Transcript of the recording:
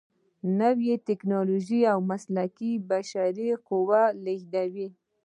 نوې ټیکنالوجې او مسلکي بشري قوه لیږدوي.